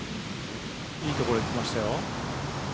いいところきましたよ。